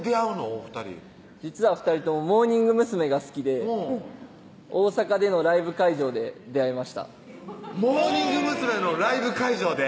お２人実は２人ともモーニング娘。が好きで大阪でのライブ会場で出会いましたモーニング娘。のライブ会場で？